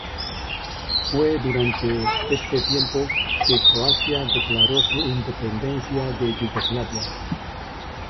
Fue durante este tiempo que Croacia declaró su independencia de Yugoslavia.